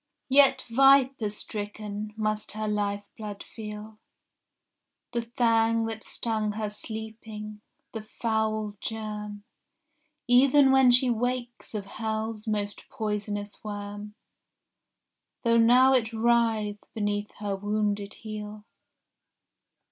Yet viper stricken must her lifeblood feel The fang that stung her sleeping, the foul germ Even when she wakes of hell's most poisonous worm, Though now it writhe beneath her wounded heel.